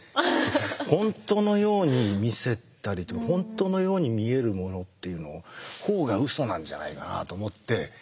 本当のように見せたりとか本当のように見えるものっていうほうがうそなんじゃないかなと思って。